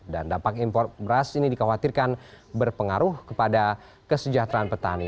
dan dapat impor beras ini dikhawatirkan berpengaruh kepada kesejahteraan petani